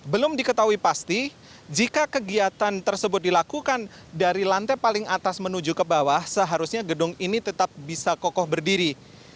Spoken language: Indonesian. belum diketahui pasti jika kegiatan tersebut dilakukan dari lantai paling atas menuju ke bawah seharusnya gedung ini tetap bisa kokoh berdiri